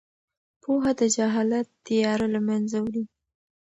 پوهه د جهالت تیاره له منځه وړي.